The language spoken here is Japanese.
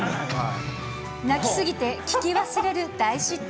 泣き過ぎて聞き忘れる大失態。